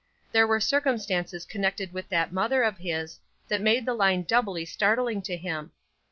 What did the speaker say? There were circumstances connected with that mother of his that made the line doubly startling to him.